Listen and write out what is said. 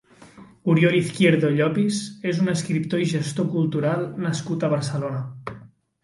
Oriol Izquierdo Llopis és un escriptor i gestor cultural nascut a Barcelona.